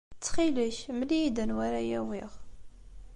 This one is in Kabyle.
Ttxil-k, mel-iyi-d anwa ara awiɣ.